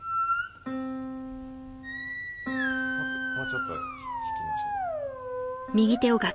もうちょっと引きましょう。